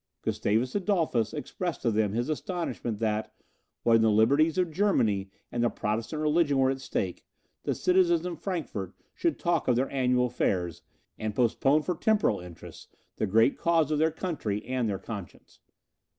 Gustavus Adolphus expressed to them his astonishment that, when the liberties of Germany and the Protestant religion were at stake, the citizens of Frankfort should talk of their annual fairs, and postpone for temporal interests the great cause of their country and their conscience.